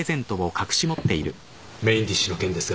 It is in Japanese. メインディッシュの件ですが。